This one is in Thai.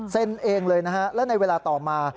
เซ็นเองเลยนะครับและในเวลาต่อมา